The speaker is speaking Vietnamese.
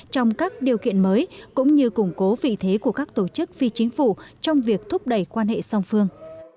trong các điều kiện mới cũng như củng cố vị thế của các tổ chức phi chính phủ trong việc thúc đẩy quan hệ song phương